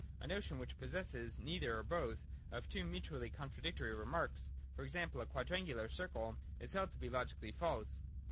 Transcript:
A notion, which possesses neither or both of two mutually contradictory marks, e.g. a quadrangular circle, is held to be logically false.